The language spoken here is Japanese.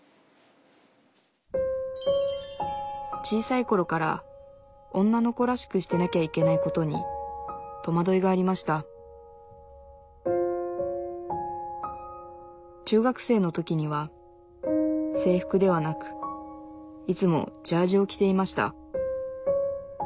小さいころから女の子らしくしてなきゃいけないことにとまどいがありました中学生の時には制服ではなくいつもジャージを着ていました